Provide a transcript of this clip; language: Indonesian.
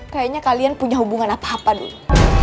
kayaknya kalian punya hubungan apa apa dulu